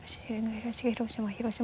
東広島広島